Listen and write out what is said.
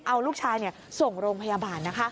เอาลูกชายส่งโรงพยาบาล